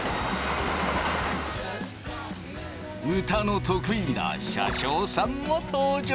歌の得意な車掌さんも登場！